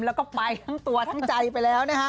แล้วก็ป่ายทั้งตัวทั้งใจไปแล้ว